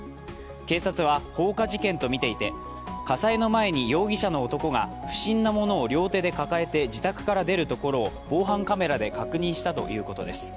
警察は放火事件とみていて、火災の前に容疑者の男が不審なものを両手で抱えて自宅から出るところを防犯カメラで確認したということです。